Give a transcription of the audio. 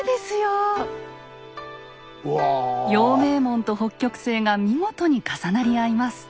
陽明門と北極星が見事に重なり合います。